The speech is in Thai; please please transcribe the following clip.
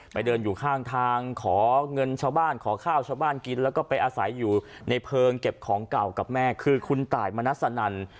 เดินอยู่ข้างทางขอเงินชาวบ้านขอข้าวชาวบ้านกินแล้วก็ไปอาศัยอยู่ในเพลิงเก็บของเก่ากับแม่คือคุณตายมณัสนัน